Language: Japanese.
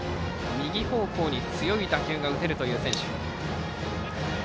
右方向に強い打球が打てるという選手。